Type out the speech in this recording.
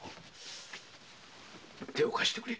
手を貸してくれ。